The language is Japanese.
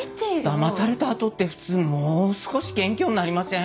だまされた後って普通もう少し謙虚になりません？